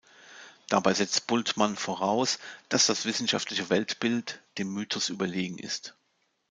Dabei setzt Bultmann voraus, dass das wissenschaftliche Weltbild dem Mythos überlegen ist.